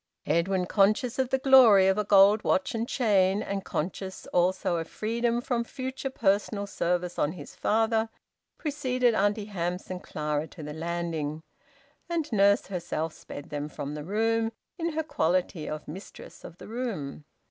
Edwin, conscious of the glory of a gold watch and chain, and conscious also of freedom from future personal service on his father, preceded Auntie Hamps and Clara to the landing, and Nurse herself sped them from the room, in her quality of mistress of the room.